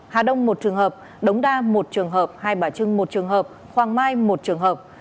hà đông một trường hợp đống đa một trường hợp hai bà trưng một trường hợp hoàng mai một trường hợp